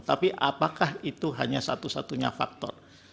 tapi apakah itu hanya satu satunya faktor